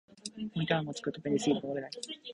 モニターアームを使うと便利すぎて戻れない